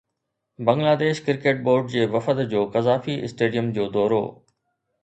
Bangladesh cricket board جي وفد جو قذافي اسٽيڊيم جو دورو